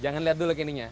jangan lihat dulu kininya